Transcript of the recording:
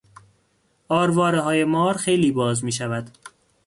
آروارههای مار خیلی باز میشود.